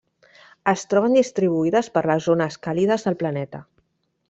Es troben distribuïdes per les zones càlides del planeta.